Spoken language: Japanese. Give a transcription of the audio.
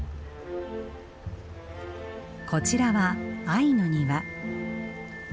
こちらは愛の庭。